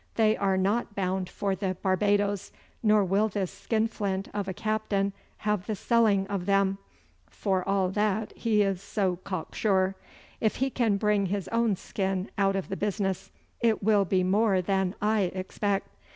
'They are not bound for the Barbadoes, nor will this skinflint of a captain have the selling of them, for all that he is so cocksure. If he can bring his own skin out of the business, it will be more than I expect.